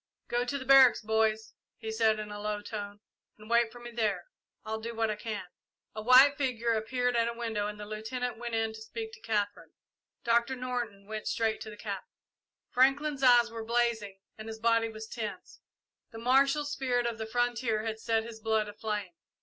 "Go to the barracks, boys," he said, in a low tone, "and wait for me there. I'll do what I can." A white figure appeared at a window and the Lieutenant went in to speak to Katherine. Doctor Norton went straight to the Captain. Franklin's eyes were blazing and his body was tense. The martial spirit of the frontier had set his blood aflame.